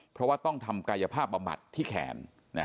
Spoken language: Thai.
เพราะว่าต้องทำกายภาพบำบัดที่แขน